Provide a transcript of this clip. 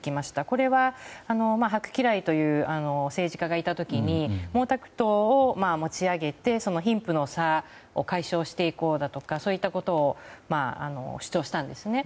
これはハク・キライという政治家がいたときに毛沢東を持ち上げて貧富の差を解消していこうだとかそういったことを主張したんですね。